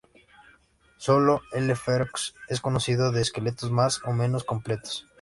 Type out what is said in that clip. Sólo "L. ferox" es conocido de esqueletos más o menos completos.